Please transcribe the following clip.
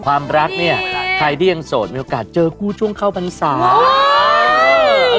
ความรักนี้ใครที่ยังโสดมีโอกาเจอกูช่วงเข้าผังศามาร์